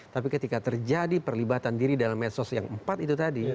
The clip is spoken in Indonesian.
tapi ketika terjadi perlibatan diri dalam medsos yang empat itu tadi